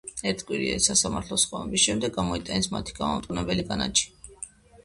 ერთკვირიანი სასამართლო სხდომების შემდეგ გამოიტანეს მათი გამამტყუნებელი განაჩენი.